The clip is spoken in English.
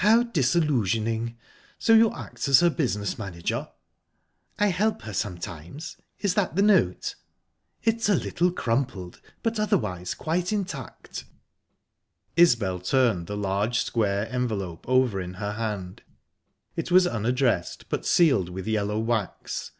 "How disillusioning!...So you act as her business manager?" "I help her sometimes. Is that the note?" "It's a little crumpled, but otherwise quite intact." Isbel turned the large, square envelope over in her hand; it was unaddressed, but sealed with yellow wax.